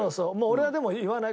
俺はでも言わない。